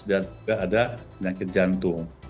dan juga ada penyakit jantung